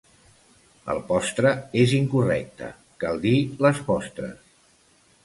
El postre és incorrecte, cal dir les postres